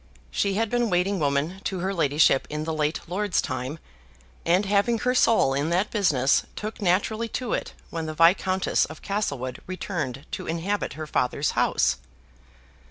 She had been waiting woman to her ladyship in the late lord's time, and, having her soul in that business, took naturally to it when the Viscountess of Castlewood returned to inhabit her father's house.